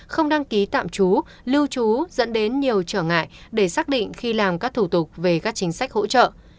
không đăng ký tạm trú lưu trú dẫn đến nhiều trở ngại để xác định khi làm các thủ tục về các chính sách hỗ trợ